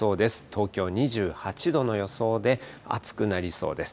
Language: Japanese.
東京２８度の予想で、暑くなりそうです。